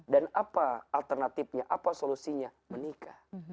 dan apa alternatifnya apa solusinya menikah